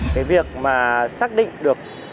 cái việc mà xác định được